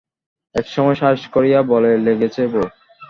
একসময় সাহস করিয়া বলে, লেগেছে বৌ?